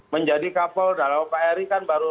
menjadi kapol pak eri kan baru